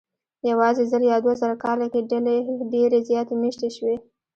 یواځې زر یا دوه زره کاله کې ډلې ډېرې زیاتې مېشتې شوې.